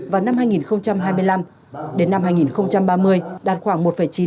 và năm hai nghìn hai mươi năm hai nghìn ba mươi đạt khoảng một chín hai ba